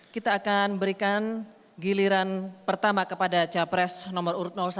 kita akan berikan giliran pertama kepada capres nomor urut satu